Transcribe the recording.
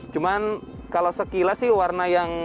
cuman kalau sekilas sih warna yang